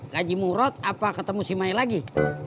gaji murot apa ketemu si mai lagi